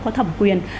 có thẩm quyền